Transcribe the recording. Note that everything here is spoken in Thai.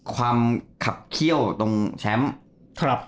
ขับเขี้ยวตรงแชมป์